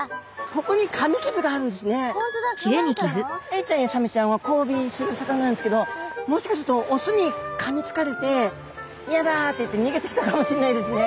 エイちゃんやサメちゃんはこうびする魚なんですけどもしかするとオスにかみつかれて「ヤダ！」っていって逃げてきたのかもしれないですね。